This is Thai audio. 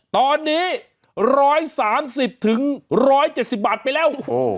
ตอนนี้๑๓๐๑๗๐บาทไปแล้ว